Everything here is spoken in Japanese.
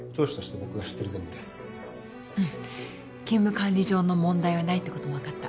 勤務管理上の問題はないってことも分かった。